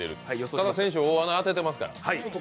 ただ先週、大穴当ててますから。